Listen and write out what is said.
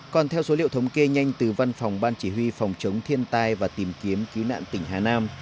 còn theo số liệu thống kê nhanh từ văn phòng ban chỉ huy phòng chống thiên tai và tìm kiếm cứu nạn tỉnh hà nam